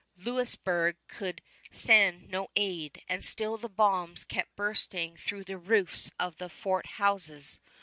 Louisburg could send no aid, and still the bombs kept bursting through the roofs of the fort houses.